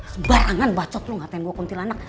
sebarangan bacot lu ngatain gua kuntilanak